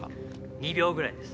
２秒ぐらいです。